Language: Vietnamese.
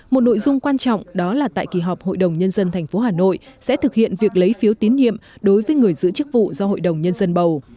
một nội dung quan trọng đó là tại kỳ họp hội đồng nhân dân tp hà nội sẽ thực hiện việc lấy phiếu tín nhiệm đối với người giữ chức vụ do hội đồng nhân dân bầu